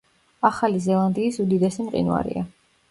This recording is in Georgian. ახალი ზელანდიის უდიდესი მყინვარია.